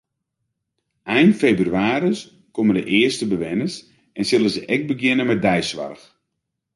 Ein febrewaris komme de earste bewenners en sille se ek begjinne mei deisoarch.